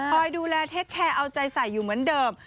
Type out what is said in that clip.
คอยดูแลเทคแคร์เอาใจใส่อยู่เหมือนเดิม